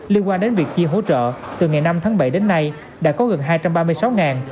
liên quan đến việc chia hỗ trợ từ ngày năm tháng bảy đến nay đã có gần hai trăm ba mươi sáu